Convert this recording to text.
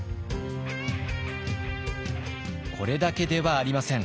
これだけではありません。